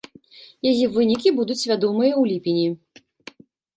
Яе вынікі будуць вядомыя ў ліпені.